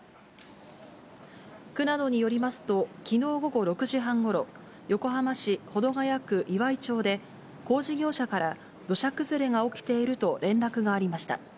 区などによりますと、きのう午後６時半ごろ、横浜市保土ケ谷区岩井町で、工事業者から土砂崩れが起きていると連絡がありました。